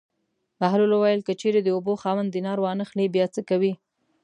بهلول وویل: که چېرې د اوبو خاوند دینار وانه خلي بیا څه کوې.